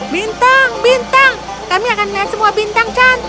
bintang bintang kami akan melihat semua bintang kami